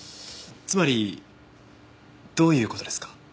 つまりどういう事ですか？